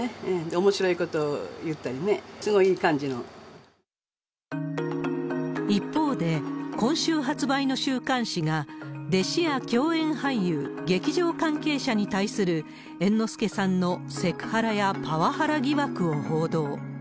おもしろいことを言ったりね、す一方で、今週発売の週刊誌が、弟子や共演俳優、劇場関係者に対する猿之助さんのセクハラやパワハラ疑惑を報道。